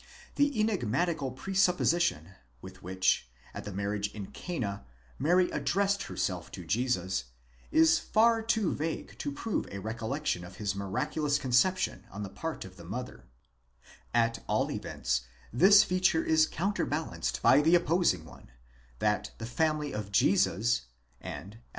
The enigmatical presupposition, with which, at the marriage in Cana, Mary addressed herself to Jesus,® is far too vague to prove a recollection of his miraculous conception on the part of the mother; at all events this feature is counterbalanced by the opposing one that the family of Jesus, and, as.